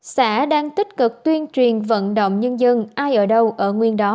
xã đang tích cực tuyên truyền vận động nhân dân ai ở đâu ở nguyên đó